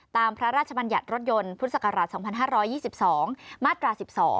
ตามพระราชบัญหัทรถยนต์พฤษกภรรษ๒๕๒๒มาตรา๑๒